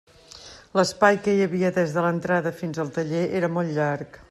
L'espai que hi havia des de l'entrada fins al taller era molt llarg.